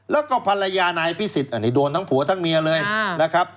แล้วก็ภรรยานายพิสิทธิ์อันนี้โดนทั้งผัวทั้งเมียเลยนะครับ